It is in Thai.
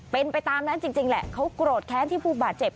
เป็นไปตามนั้นจริงแหละเขาโกรธแค้นที่ผู้บาดเจ็บ